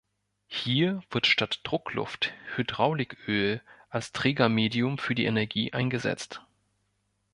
Hier wird statt Druckluft Hydrauliköl als Trägermedium für die Energie eingesetzt.